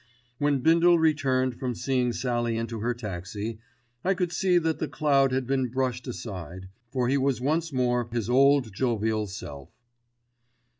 When Bindle returned from seeing Sallie into her taxi, I could see that the cloud had been brushed aside; for he was once more his old jovial self.